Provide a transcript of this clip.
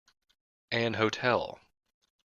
An hotel.